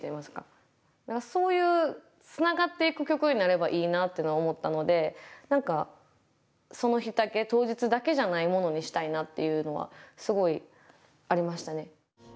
だからそういうつながっていく曲になればいいなっていうのは思ったので何かその日だけ当日だけじゃないものにしたいなっていうのはすごいありましたね。